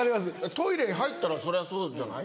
トイレに入ったらそりゃそうじゃない？